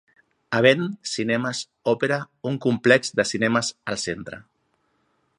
Event Cinemas opera un complex de cinemes al centre.